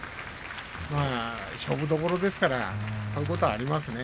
まあ勝負どころですからこういうことはありますね。